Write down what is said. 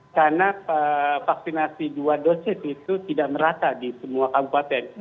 karena vaksinasi dua dosis itu tidak merata di semua kabupaten